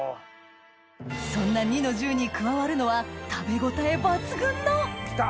そんな弐の重に加わるのは食べ応え抜群のきた！